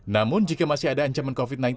namun jika masih ada ancaman covid sembilan belas